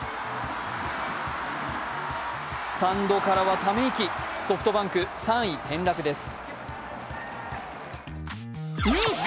スタンドからはため息、ソフトバンク、３位転落です。